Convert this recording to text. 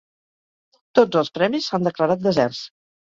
Tots els premis s'han declarat deserts.